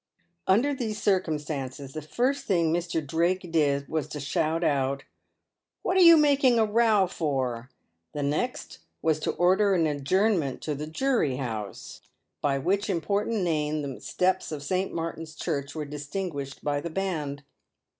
Under these circumstances, the first thing Mr. Drake did was to shout out, " What are you making a row for ?" the next was to order an adjournment to the " Jury House," by J^. h PAVED WITH GOLD. 91 which important name the steps of St. Martin's Church were dis tinguished by the band.